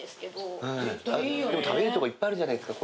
食べるとこいっぱいあるじゃないですか。